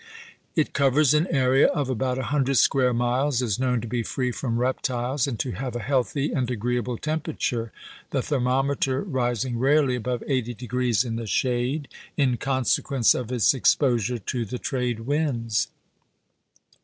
It covers an area of about a hundred square miles, is known to be free from reptiles, and to have a healthy and agreeable temperature, the thermometer ris ing rarely above 80° in the shade, in consequence of its exposure to the trade winds.